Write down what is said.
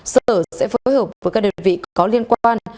sở sẽ phối hợp với các đơn vị có liên quan